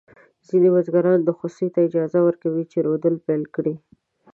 ځینې بزګران خوسکي ته اجازه ورکوي چې رودل پيل کړي.